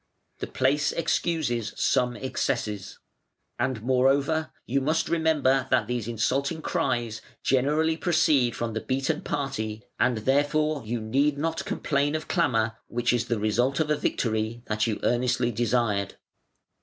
The place excuses some excesses. And moreover you must remember that these insulting cries generally proceed from the beaten party: and therefore you need not complain of clamour which is the result of a victory that you earnestly desired".